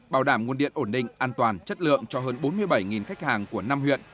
bảo đảm nguồn điện ổn định an toàn chất lượng cho hơn bốn mươi bảy khách hàng của năm huyện